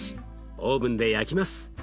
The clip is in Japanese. オーブンで焼きます。